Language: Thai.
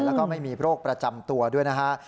แล้วก็ไม่มีโรคประจำตัวด้วยนะฮะ